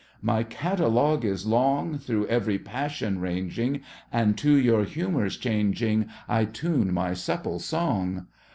My catalogue is long, Through every passion ranging, And to your humours changing I tune my supple song!